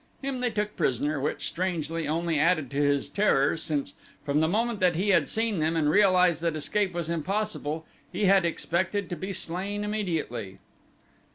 Him they took prisoner which, strangely, only added to his terror since from the moment that he had seen them and realized that escape was impossible, he had expected to be slain immediately.